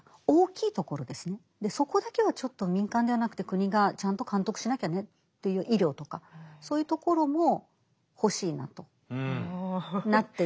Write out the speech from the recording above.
そこだけはちょっと民間ではなくて国がちゃんと監督しなきゃねっていう医療とかそういうところも欲しいなとなっていってどんどん食い込んでいく。